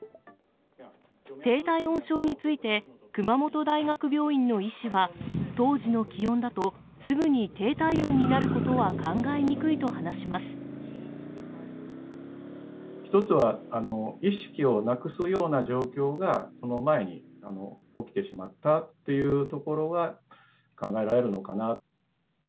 低体温症について、熊本大学病院の医師は、当時の気温だと、すぐに低体温になること一つは、意識をなくすような状況が、その前に起きてしまったっていうところが考えられるのかなと。